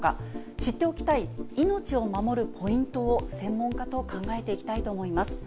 知っておきたい命を守るポイントを専門家と考えていきたいと思います。